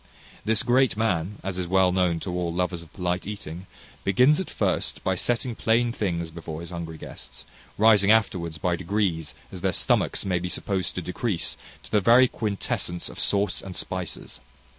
This great man, as is well known to all lovers of polite eating, begins at first by setting plain things before his hungry guests, rising afterwards by degrees as their stomachs may be supposed to decrease, to the very quintessence of sauce and spices.